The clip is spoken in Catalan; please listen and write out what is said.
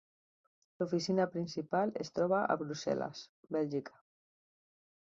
L'oficina principal es troba a Brussel·les, Bèlgica.